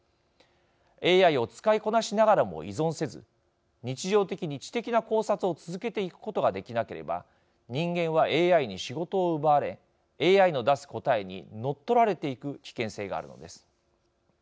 ＡＩを使いこなしながらも依存せず日常的に知的な考察を続けていくことができなければ人間はＡＩに仕事を奪われＡＩの出す答えに乗っ取られていく危険性があるのです。